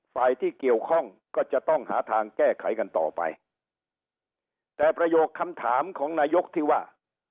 ฝ่ายที่เกี่ยวข้องก็จะต้องหาทางแก้ไขกันต่อไปแต่ประโยคคำถามของนายกที่ว่า